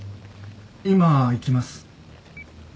今行きます。